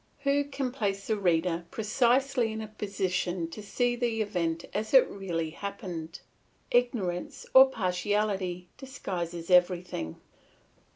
Who can place the reader precisely in a position to see the event as it really happened? Ignorance or partiality disguises everything.